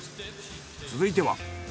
続いては。